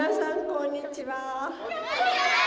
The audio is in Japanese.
こんにちは！